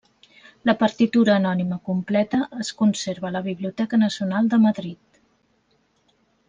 La partitura anònima completa es conserva a la Biblioteca Nacional de Madrid.